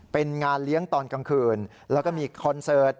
เป็นงานเลี้ยงตอนกลางคืนแล้วก็มีคอนเสิร์ต